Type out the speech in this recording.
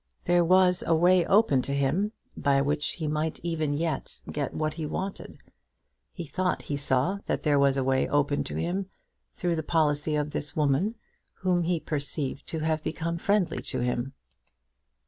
There was a way open to him by which he might even yet get what he wanted. He thought he saw that there was a way open to him through the policy of this woman, whom he perceived to have become friendly to him.